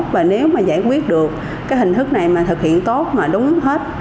và nếu mà giải quyết được cái hình thức này mà thực hiện tốt mà đúng hết